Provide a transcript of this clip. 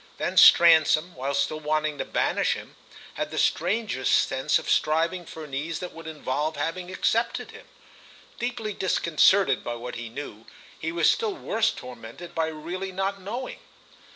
Then Stransom, while still wanting to banish him, had the strangest sense of striving for an ease that would involve having accepted him. Deeply disconcerted by what he knew, he was still worse tormented by really not knowing.